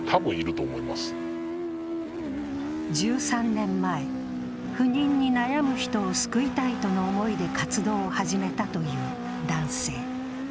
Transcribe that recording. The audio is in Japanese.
１３年前、不妊に悩む人を救いたいとの思いで活動を始めたという男性。